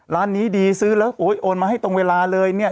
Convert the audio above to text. ร้านนี้ดีซื้อแล้วโอ๊ยโอนมาให้ตรงเวลาเลยเนี่ย